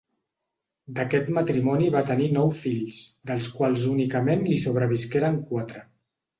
D'aquest matrimoni va tenir nou fills, dels quals únicament li sobrevisqueren quatre.